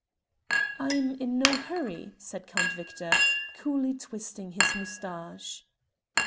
"I'm in no hurry," said Count Victor, coolly twisting his moustache.